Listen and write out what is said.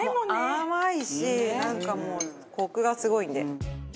甘いしなんかもうコクがすごいんで。